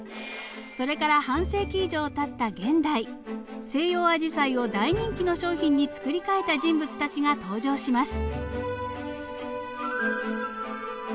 それから半世紀以上たった現代西洋アジサイを大人気の商品につくり替えた人物たちが登場します。